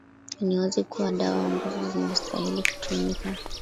ni wazi kuwa dawa ambazo zinastahili kutumika